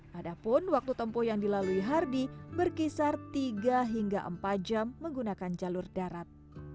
padahal waktu tempuh yang dilalui hardy berkisar tiga hingga empat jam menggunakan jalur darat